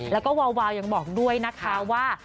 แล้วก็วาวยังบอกด้วยนะคะว่า